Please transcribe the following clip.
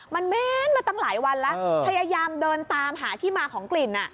มันเม้นมาตั้งหลายวันแล้วพยายามเดินตามหาที่มาของกลิ่น